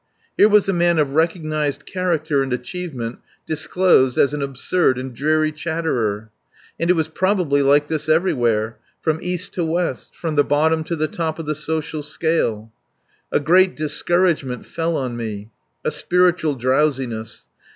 Here was a man of recognized character and achievement disclosed as an absurd and dreary chatterer. And it was probably like this everywhere from east to west, from the bottom to the top of the social scale. A great discouragement fell on me. A spiritual drowsiness.